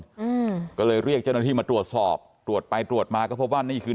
อืมก็เลยเรียกเจ้าหน้าที่มาตรวจสอบตรวจไปตรวจมาก็พบว่านี่คือ